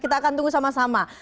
kita akan tunggu sama sama